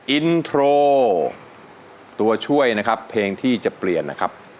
อินโทรตัวช่วยนะครับเพลงที่จะเปลี่ยนนะครับ